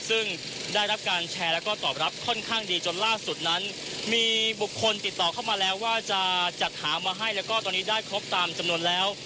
ซึ่งได้รับการแชร์แล้วก็ตอบรับค่อนข้างดีจนล่าสุดนั้นมีบุคคลติดต่อเข้ามาแล้วว่าจะจัดหามาให้แล้วก็ตอนนี้ได้ครบตามจำนวนแล้ว